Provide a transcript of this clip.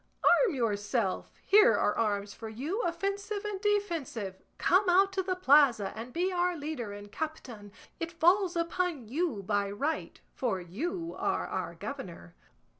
Arm yourself; here are arms for you, offensive and defensive; come out to the plaza and be our leader and captain; it falls upon you by right, for you are our governor."